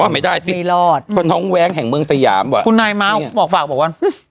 อ๋อไม่ได้สิไม่รอดคนน้องแว้งแห่งเมืองสยามวะนี่ังเนี้ยคุณนายมาบอกฝากบอกว่า